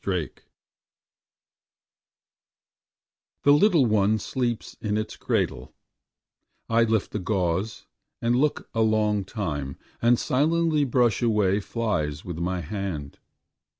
8 The little one sleeps in its cradle, I lift the gauze and look a long time, and silently brush away flies with my hand.